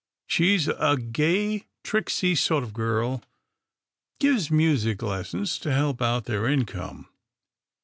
She*s a gay, tricksy sort of girl, gives music lessons to help out their in come.